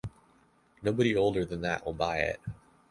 Nobody older than that will buy it.